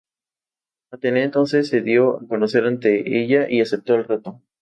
Atenea entonces se dio a conocer ante ella y aceptó el reto.